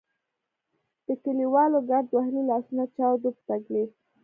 د کلیوالو ګرد وهلي لاسونه چاود وو په تکلیف.